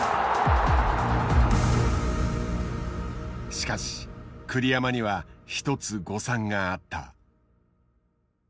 しかし栗山には一つ誤算があった。